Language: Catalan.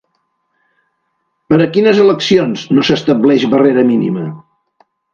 Per a quines eleccions no s'estableix barrera mínima?